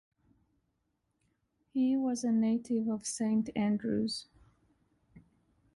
He was a native of Saint Andrews.